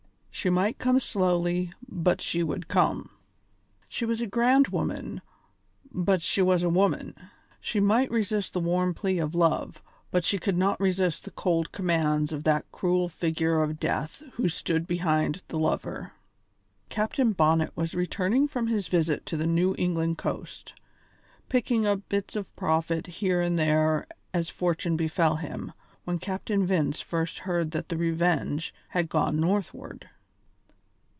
She might come slowly, but she would come. She was a grand woman, but she was a woman; she might resist the warm plea of love, but she could not resist the cold commands of that cruel figure of death who stood behind the lover. Captain Bonnet was returning from his visit to the New England coast, picking up bits of profit here and there as fortune befell him, when Captain Vince first heard that the Revenge had gone northward.